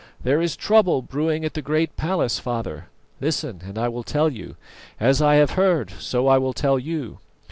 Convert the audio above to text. There is trouble brewing at the Great Place, father. Listen, and I will tell you; as I have heard, so I will tell you.